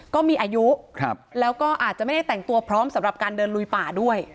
ก็มีอายุแล้วก็อาจจะไม่ได้แต่งตัวพร้อมสำหรับการเดินลุยป่าด้วย